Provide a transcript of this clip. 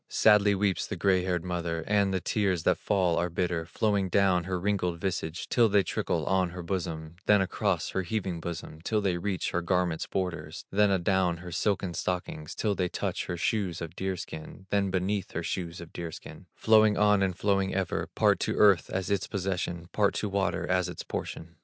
Sadly weeps the gray haired mother, And the tears that fall are bitter, Flowing down her wrinkled visage, Till they trickle on her bosom; Then across her heaving bosom, Till they reach her garment's border; Then adown her silken stockings, Till they touch her shoes of deer skin; Then beneath her shoes of deer skin, Flowing on and flowing ever, Part to earth as its possession, Part to water as its portion.